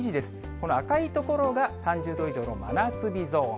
この赤い所が３０度以上の真夏日ゾーン。